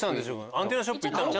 アンテナショップ行ったのかな？